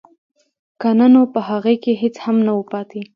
که نه نو په هغه کې هېڅ هم نه وو پاتې